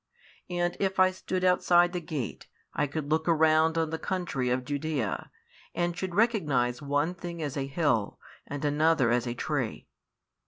And if I stood outside the gate, I could look around on the country of Judea, and should recognise one thing as a hill and another as a tree.